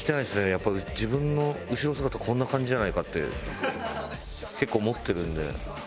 やっぱ自分の後ろ姿こんな感じじゃないかって結構思ってるんで。